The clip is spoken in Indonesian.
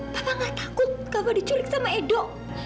papa nggak takut kava dicurik sama edo